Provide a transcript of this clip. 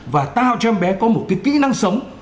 và tạo cho em bé có một cái kỹ năng sống